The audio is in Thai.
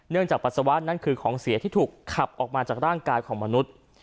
จากปัสสาวะนั่นคือของเสียที่ถูกขับออกมาจากร่างกายของมนุษย์